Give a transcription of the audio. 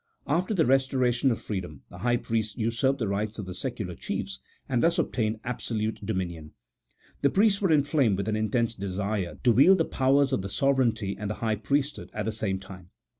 After the restoration of free dom, the high priests usurped the rights of the secular chiefs, and thus obtained absolute dominion. The priests were inflamed with an intense desire to wield the powers of the sovereignty and the high priesthood at the same time.